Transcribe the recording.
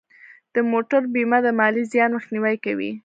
د موټر بیمه د مالي زیان مخنیوی کوي.